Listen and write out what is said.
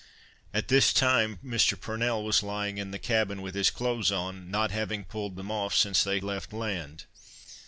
At this time Mr. Purnell was lying in the cabin, with his clothes on, not having pulled them off since they left land.